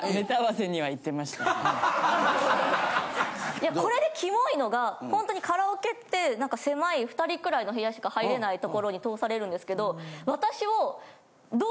いやこれでキモいのがほんとにカラオケってなんか狭い２人くらいの部屋しか入れないところに通されるんですけど。